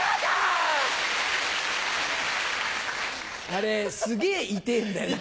あれすげぇ痛ぇんだよな。